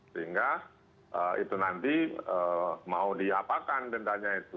sehingga itu nanti mau diapakan dendanya itu